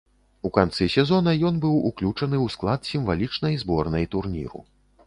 У канцы сезона ён быў уключаны ў склад сімвалічнай зборнай турніру.